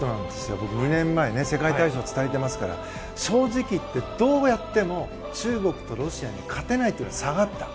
僕２年前世界体操を伝えていますから正直言ってどうやっても中国とロシアに勝てないような差があった。